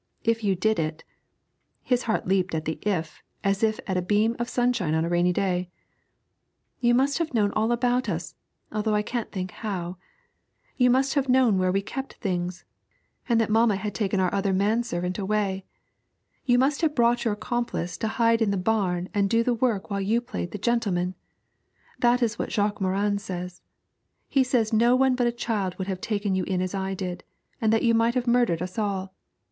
If you did it' his heart leaped at the 'if' as at a beam of sunshine on a rainy day 'you must have known all about us, although I can't think how; you must have known where we kept things, and that mamma had taken our other man servant away. You must have brought your accomplice to hide in the barn and do the work while you played the gentleman! That is what Jacques Morin says; he says no one but a child would have taken you in as I did, and that you might have murdered us all.